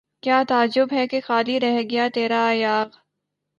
کیا تعجب ہے کہ خالی رہ گیا تیرا ایاغ